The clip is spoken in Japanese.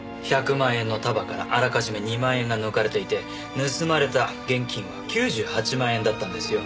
１００万円の束からあらかじめ２万円が抜かれていて盗まれた現金は９８万円だったんですよ。